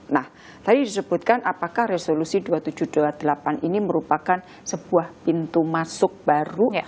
nah tadi disebutkan apakah resolusi dua ribu tujuh ratus dua puluh delapan ini merupakan sebuah pintu masuk baru